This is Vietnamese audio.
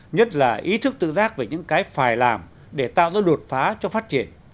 nhất là ý thức tự giác về những cái phải làm để tạo ra đột phá cho phát triển